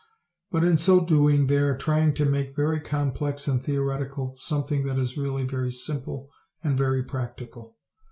But, in so doing, they are trying to make very complex and theoretical something that is really very simple and very practical.